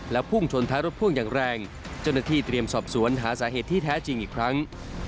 พุ่งชนท้ายรถพ่วงอย่างแรงเจ้าหน้าที่เตรียมสอบสวนหาสาเหตุที่แท้จริงอีกครั้ง